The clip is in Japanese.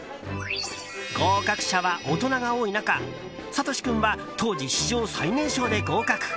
合格者は大人が多い中サトシ君は当時史上最年少で合格。